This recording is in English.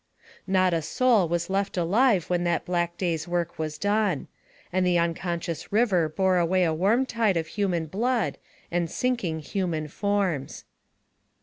Not a soul was left alive when that black day's work was done; and the unconscious river bore away a warm tide of human blood, and sinking human forms.